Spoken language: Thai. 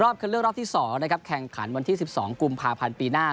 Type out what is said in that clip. เลือกรอบที่๒นะครับแข่งขันวันที่๑๒กุมภาพันธ์ปีหน้า